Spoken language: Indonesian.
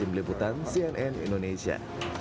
di meliputan cnn indonesia